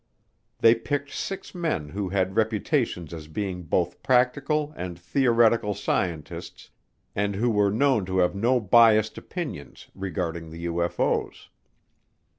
They picked six men who had reputations as being both practical and theoretical scientists and who were known to have no biased opinions regarding the UFO's.